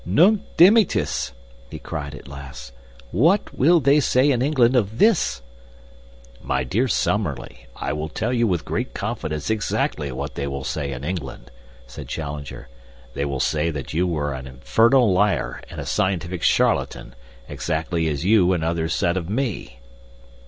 "Nunc dimittis!" he cried at last. "What will they say in England of this?" "My dear Summerlee, I will tell you with great confidence exactly what they will say in England," said Challenger. "They will say that you are an infernal liar and a scientific charlatan, exactly as you and others said of me."